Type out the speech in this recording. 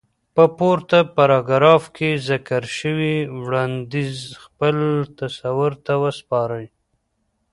په پورته پاراګراف کې ذکر شوی وړانديز خپل تصور ته وسپارئ.